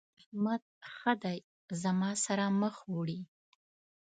احمد ښه دی زما سره مخ وړي.